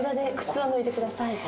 はい。